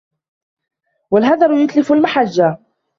وَالْهَذْرَ يُتْلِفُ الْمَحَجَّةَ